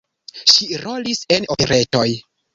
Ŝi rolis en operetoj.